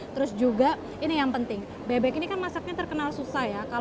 terus juga ini yang penting bebek ini kan masaknya terkenal susah ya